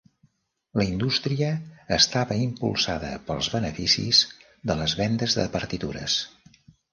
La indústria estava impulsada pels beneficis de les vendes de partitures.